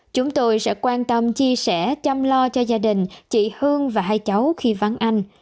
chúng tôi sẽ quan tâm chia sẻ chăm lo cho gia đình chị hương và hai cháu khi vắng anh